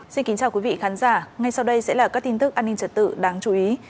xin kính chào quý vị khán giả ngay sau đây sẽ là các tin tức an ninh trật tự đáng chú ý